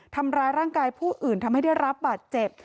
ทำร้ายร่างกายผู้อื่นทำให้ได้รับบาดเจ็บ